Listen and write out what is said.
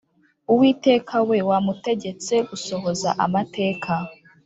uwiteka we, wamutegetse gusohoza amateka,